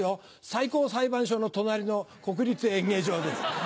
最高裁判所の隣の国立演芸場です。